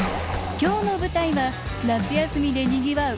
今日の舞台は夏休みでにぎわう